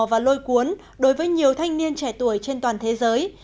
và lôi cuốn đối với nhiều thanh niên trẻ tuổi trên toàn thế giới